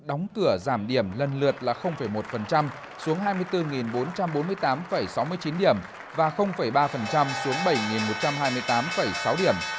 đóng cửa giảm điểm lần lượt là một xuống hai mươi bốn bốn trăm bốn mươi tám sáu mươi chín điểm và ba xuống bảy một trăm hai mươi tám sáu điểm